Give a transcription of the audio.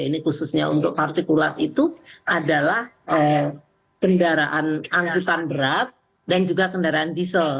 ini khususnya untuk partikulat itu adalah kendaraan angkutan berat dan juga kendaraan diesel